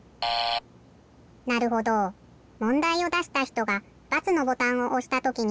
なるほどもんだいをだしたひとが×のボタンをおしたときに。